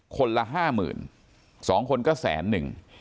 คนละห้าหมื่นสองคนก็แสนหนึ่ง